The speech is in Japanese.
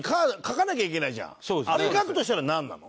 あれ書くとしたらなんなの？